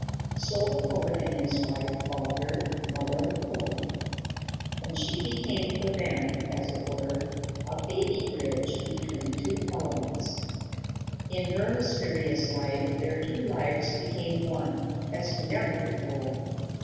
So the poet and his wife called her Mother of Pearl; and she became for them, as it were, a baby bridge between two elements. In her mysterious life their two lives became one, as never before.